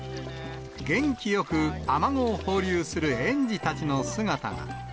元気よくアマゴを放流する園児たちの姿が。